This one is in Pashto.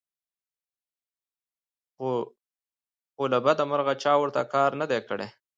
خو له بدمرغه چا ورته کار نه دى کړى